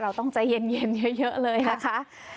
เราต้องใจเย็นเยอะเลยนะคะ